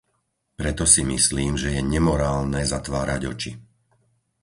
Preto si myslím, že je nemorálne zatvárať oči.